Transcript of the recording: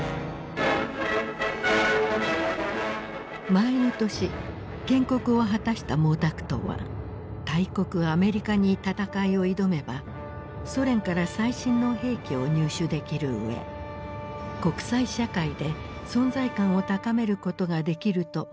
前の年建国を果たした毛沢東は大国アメリカに戦いを挑めばソ連から最新の兵器を入手できるうえ国際社会で存在感を高めることができるともくろんでいた。